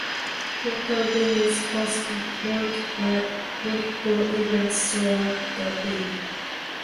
Local venues host multiple events throughout the week.